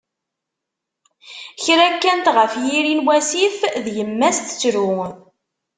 kra kkant, ɣef yiri n wasif d yemma-s, tettru.